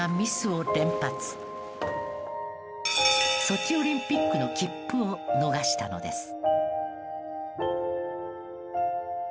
ソチオリンピックの切符を逃したのです。